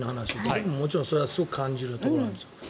僕ももちろんそれはすごく感じるところなんです。